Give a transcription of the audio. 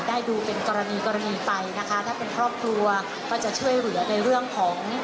ได้ดูเป็นกรณีกรณีไปนะคะถ้าเป็นครอบครัวก็จะช่วยเหลือในเรื่องของ